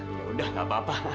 yaudah gak apa apa